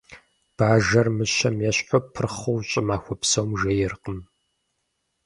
Бажэр мыщэм ещхьу пырхъыу щӏымахуэ псом жейркъым.